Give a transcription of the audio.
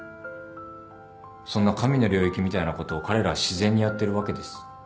そんな神の領域みたいなことを彼らは自然にやってるわけです。